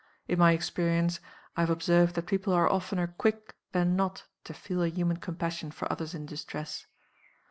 In my experience, I have observed that people are oftener quick than not to feel a human compassion for others in distress.